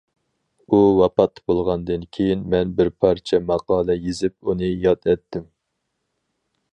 ئۇ ۋاپات بولغاندىن كېيىن، مەن بىر پارچە ماقالە يېزىپ ئۇنى ياد ئەتتىم.